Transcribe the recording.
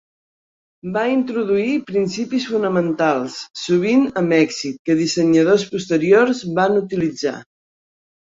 Va introduir principis fonamentals, sovint amb èxit, que dissenyadors posteriors van utilitzar.